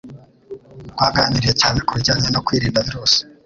Twaganiriye cyane kubijyanye no kwirinda virusi .